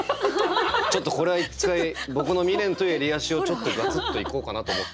ちょっとこれは一回僕の未練と襟足をガツッといこうかなと思って。